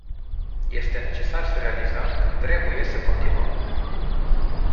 Este necesar să realizăm că trebuie să continuăm.